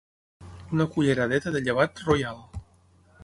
Una culleradeta de llevat ‘Royal’